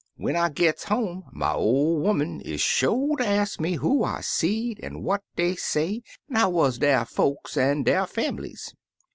When I gits home my ol' 'oman is sho' ter ax me who I seed an' what dey say, an' how wuz der folks an' der famblies.